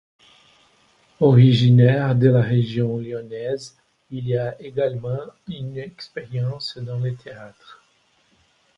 Originaire de la région lyonnaise, il a également une expérience dans le théâtre.